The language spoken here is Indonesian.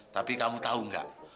tapi kamu tahu nggak